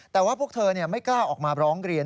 แต่ว่าพวกเธอไม่กล้าออกมาร้องเรียน